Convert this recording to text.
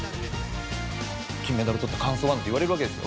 「金メダルとった感想は？」なんて言われるわけですよ。